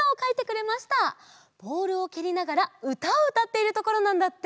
ボールをけりながらうたをうたっているところなんだって！